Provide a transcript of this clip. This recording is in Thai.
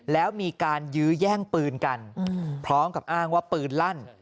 แล้วมีการยื้อแย่งปืนกันพร้อมกับอ้างว่าปืนลั่น